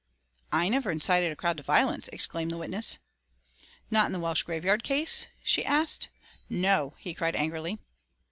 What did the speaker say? "I never incited a crowd to violence," exclaimed the witness. "Not in the Welsh graveyard case?" she asked. "No!" he cried angrily.